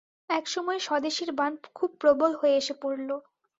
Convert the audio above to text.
এমন সময়ে স্বদেশীর বান খুব প্রবল হয়ে এসে পড়ল।